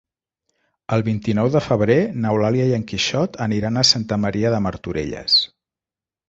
El vint-i-nou de febrer n'Eulàlia i en Quixot aniran a Santa Maria de Martorelles.